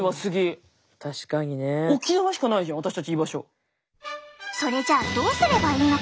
確かにね。それじゃあどうすればいいのか？